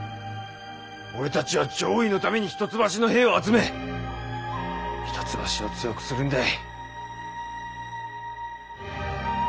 俺たちは攘夷のために一橋の兵を集め一橋を強くするんだい。